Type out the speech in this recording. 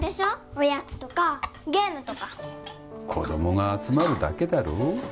おやつとかゲームとか子供が集まるだけだろ？